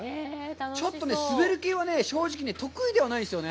ちょっとね、滑る系は正直ね、得意ではないですよね。